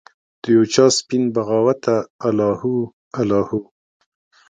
د یوچا سپین بغاوته الله هو، الله هو